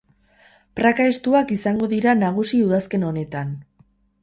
Praka estuak izango dira nagusi udazken honetan.